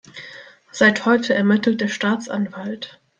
Seit heute ermittelt der Staatsanwalt.